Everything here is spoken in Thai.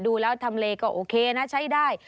ดูแล้วทำเลก็โอเคนะใช้ได้